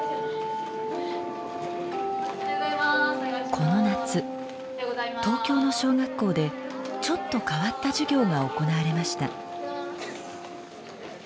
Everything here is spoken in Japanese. この夏東京の小学校でちょっと変わった授業が行われました。